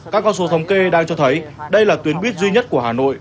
các con số thống kê đang cho thấy đây là tuyến buýt duy nhất của hà nội